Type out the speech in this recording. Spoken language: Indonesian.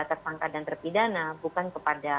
tersangka dan terpidana bukan kepada